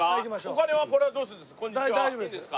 お金はこれはどうするんです？